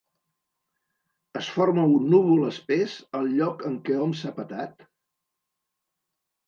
Es forma un núvol espès, al lloc en què hom s'ha petat?